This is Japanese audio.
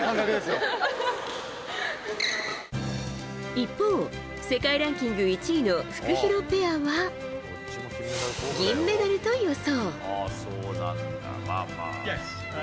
一方、世界ランキング１位のフクヒロペアは銀メダルと予想。